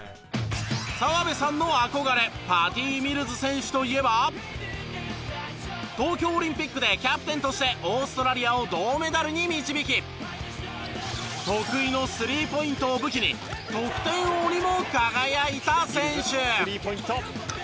澤部さんの憧れパティ・ミルズ選手といえば東京オリンピックでキャプテンとしてオーストラリアを銅メダルに導き得意のスリーポイントを武器に得点王にも輝いた選手。